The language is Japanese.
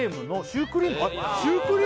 ・シュークリーム？